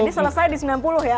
jadi selesai di sembilan puluh ya